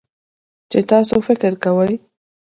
چې تاسو فکر کوئ